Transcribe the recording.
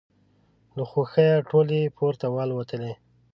له خوښیه ټولې پورته والوتلې.